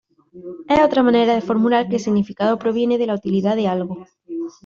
Es otra manera de formular que el significado proviene de la utilidad de algo.